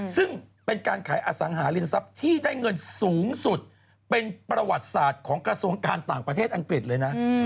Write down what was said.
ซึ่งเป็นการขายอสังหาริมทรัพย์ที่ได้เงินสูงสุดเป็นประวัติศาสตร์ของกระทรวงการต่างประเทศอังกฤษเลยนะ